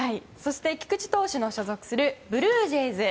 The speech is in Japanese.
菊池投手の所属するブルージェイズ。